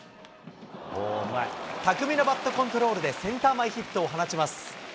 巧みなバットコントロールでセンター前ヒットを放ちます。